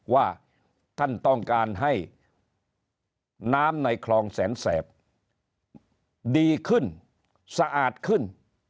ว่าท่านต้องการให้น้ำในคลองแสนแสบดีขึ้นสะอาดขึ้น